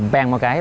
bèn một cái